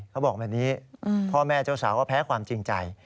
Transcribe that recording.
เขาบอกแบบนี้พ่อแม่เจ้าสาวก็แพ้ความจริงใจ